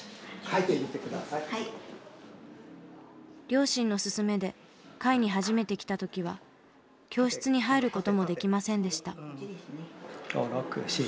両親の勧めで会に初めて来た時は教室に入る事もできませんでした。